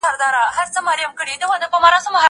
زه اوږده وخت لوښي وچوم وم!!